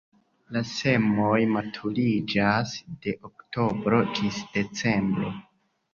La semoj maturiĝas de oktobro ĝis decembro.